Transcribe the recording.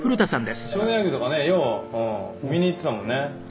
「少年野球とかねよう見に行っていたもんね」